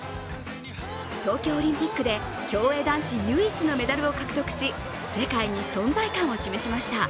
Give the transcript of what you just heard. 東京オリンピックで競泳男子唯一のメダルを獲得し世界に存在感を示しました。